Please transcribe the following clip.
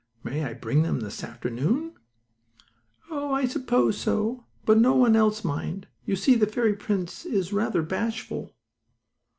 "May I bring them this afternoon?" "Oh! I suppose so, but no one else, mind. You see the fairy prince is rather bashful."